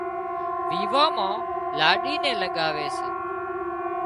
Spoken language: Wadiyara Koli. ويوان مان لاڏِي نين لڳاوي سي